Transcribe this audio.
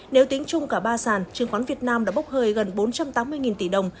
nếu tính chung cả ba sàn chứng khoán việt nam đã bốc hơi gần bốn trăm tám mươi tỷ đồng